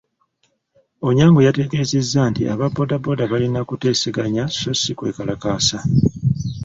Onyango yategeezezza nti aba boda boda balina kuteeseganya so si sikwekalakaasa.